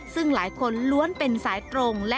ซึ่งหลายคนล้วนเป็นสายตรง